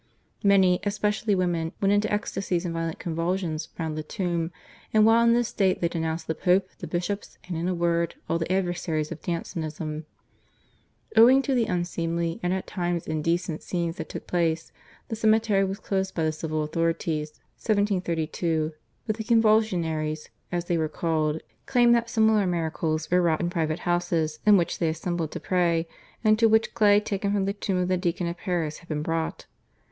Many, especially women, went into ecstasies and violent convulsions round the tomb, and while in this state they denounced the Pope, the bishops, and in a word all the adversaries of Jansenism. Owing to the unseemly and at times indecent scenes that took place the cemetery was closed by the civil authorities (1732), but the /Convulsionnaires/, as they were called, claimed that similar miracles were wrought in private houses, in which they assembled to pray, and to which clay taken from the tomb of the Deacon of Paris had been brought.